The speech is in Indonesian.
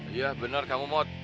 iya bener kamu mod